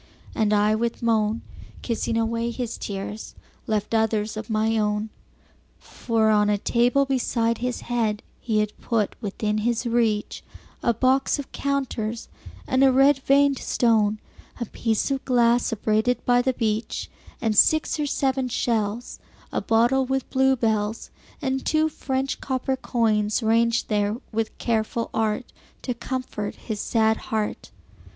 And I, with moan, Kissing away his tears, left others of my own; For, on a table drawn beside his head, He had put, within his reach, 15 A box of counters and a red vein'd stone, A piece of glass abraded by the beach, And six or seven shells, A bottle with bluebells, And two French copper coins, ranged there with careful art, 20 To comfort his sad heart.